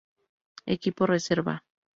Equipo Reserva